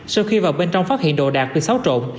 sau khi vào bên trong phát hiện đồ đạc bị xáo trộn